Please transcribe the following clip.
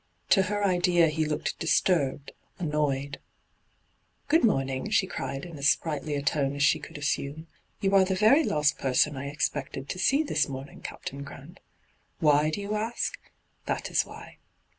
To her idea he looked dis turbed, annoyed. D,gt,, 6rtbyGOOglC 1 84 ENTRAPPED ' Grood moming T she cried in as sprightly a tone as she could assume. ' You are the very last person I expected to see this morning, Captain Grant. Why, do you ask ? That is why.'